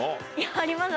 あります